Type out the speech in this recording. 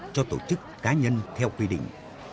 cho tổ chức cá nhân theo quy định